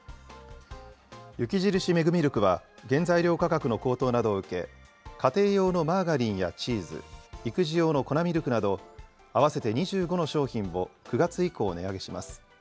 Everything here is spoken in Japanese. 雪印メグミルクは、原材料価格の高騰などを受け、家庭用のマーガリンやチーズ、育児用の粉ミルクなど、合わせて２５の商品を９月以降、値上げします。